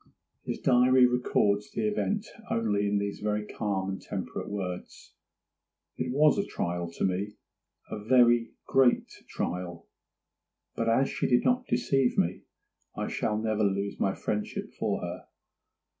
His diary records the event only in these very calm and temperate words:—'It was a trial to me—a very great trial; but as she did not deceive me, I shall never lose my friendship for her.